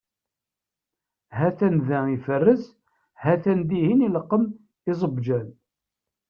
Ha-t-an da iferres, ha-t-an dihin ileqqem iẓebbjan.